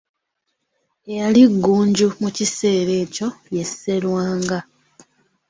Eyali Ggunju mu kiseera ekyo ye Sserwanga.